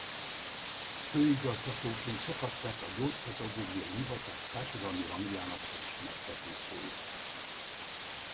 Főigazgatóként sokat tett a gyógypedagógiai hivatás társadalmi rangjának elismertetéséért.